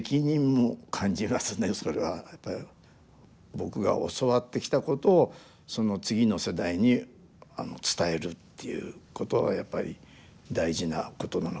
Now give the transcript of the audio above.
僕が教わってきたことをその次の世代に伝えるっていうことはやっぱり大事なことなのかなと思ってますねええ